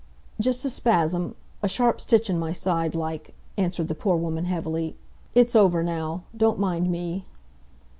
"Just a spasm, a sharp stitch in my side, like," answered the poor woman heavily. "It's over now. Don't mind me."